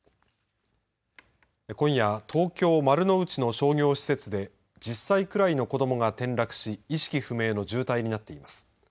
今夜、東京・丸の内の商業施設で１０歳くらいの子どもが転落し意識不明の重体になっています。